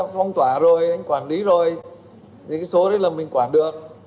phong tỏa rồi anh quản lý rồi những cái số đấy là mình quản được